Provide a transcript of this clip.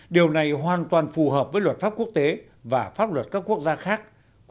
điều này hoàn toàn phù hợp với luật pháp quốc tế và pháp luật các quốc gia khác